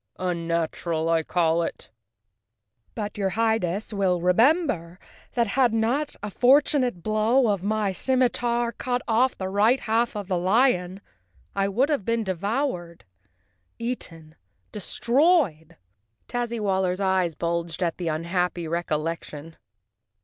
Unnatural, I call it." "But, your Highness will remember that had not a fortunate blow of my scimitar cut off the right half of the lion I would have been devoured, eaten, destroyed!" Tazzywaller's eyes bulged at the unhappy recollec¬ tion.